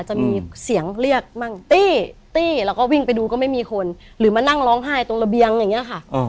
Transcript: จะมีเสียงเรียกมั่งตี้ตี้แล้วก็วิ่งไปดูก็ไม่มีคนหรือมานั่งร้องไห้ตรงระเบียงอย่างนี้ค่ะ